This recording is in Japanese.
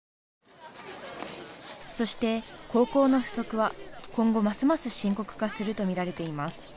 そして高校の不足は今後ますます深刻化すると見られています。